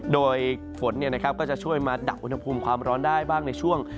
โดยฝนก็จะช่วยมาดับอุณหภูมิความร้อนได้บ้างในช่วง